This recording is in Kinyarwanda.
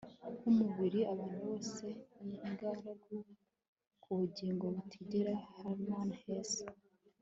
nkumubiri abantu bose ni ingaragu, nkubugingo butigera - hermann hesse